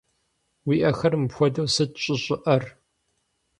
Уи ӏэхэр мыпхуэдэу сыт щӏэщӏыӏэр?